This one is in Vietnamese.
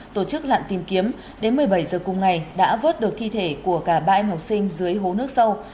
tổ chức lặn tìm kiếm đến một mươi bảy giờ cùng ngày đã vớt được thi thể của cả ba em học sinh dưới hố nước sâu